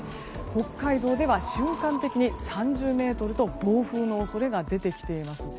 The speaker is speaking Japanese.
北海道では瞬間的に３０メートルと暴風の恐れが出てきています。